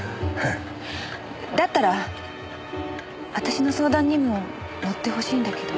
だったら私の相談にも乗ってほしいんだけど。